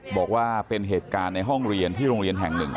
บอกว่าเป็นเหตุการณ์ในห้องเรียนที่โรงเรียนแห่งหนึ่ง